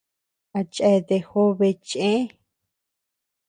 A cheatea jobe chëe.